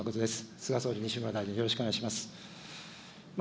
菅総理、西村大臣、よろしくお願いします。